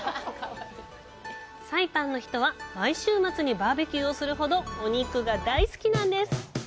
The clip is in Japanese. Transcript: サイパンの人は毎週末にバーベキューをするほどお肉が大好きなんです！